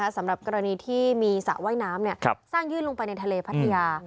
สำหรับกรณีที่มีสระว่ายน้ำสร้างยื่นลงไปในทะเลพัทยา